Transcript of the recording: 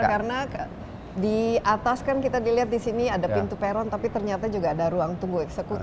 karena di atas kan kita dilihat di sini ada pintu peron tapi ternyata juga ada ruang tunggu eksekutif